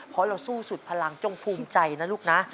เพราะเราสู้สุดพลังจงภูมิใจนะลูกนะ